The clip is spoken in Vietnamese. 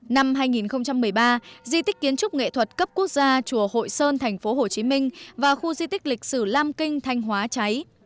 năm hai nghìn một mươi ba di tích kiến trúc nghệ thuật cấp quốc gia chùa hội sơn tp hcm và khu di tích lịch sử lam kinh thanh hóa cháy